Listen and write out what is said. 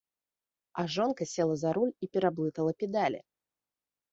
А жонка села за руль і пераблытала педалі.